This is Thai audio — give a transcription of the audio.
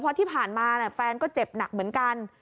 เพราะที่ผ่านมาแฟนก็เจ็บหนักเหมือนกัน